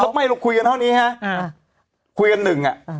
พูดไปไม่ลูกคุยกันเท่านี้ฮะคุยกันหนึ่งอ่ะ